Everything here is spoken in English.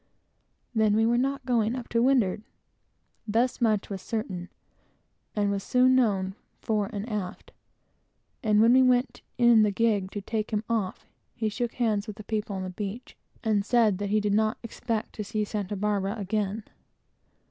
Then we were not going up to windward. Thus much was certain, and was soon known, fore and aft; and when we went in the gig to take him off, he shook hands with the people on the beach, and said that he never expected to see Santa Barbara again.